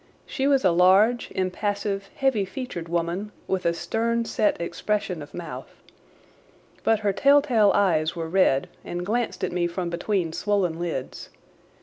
She was a large, impassive, heavy featured woman with a stern set expression of mouth. But her telltale eyes were red and glanced at me from between swollen lids.